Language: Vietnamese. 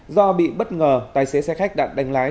do bị bất ngờ tài xế xe khách đạn đánh lái